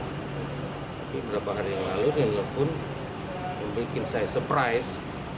tapi beberapa hari yang lalu nelfon membuat saya surprise